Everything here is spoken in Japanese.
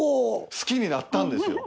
好きになったんですよ。